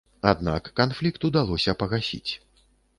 Аднак канфлікт удалося пагасіць.